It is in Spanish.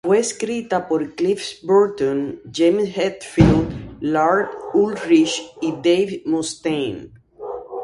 Fue escrita por Cliff Burton, James Hetfield, Lars Ulrich y Dave Mustaine.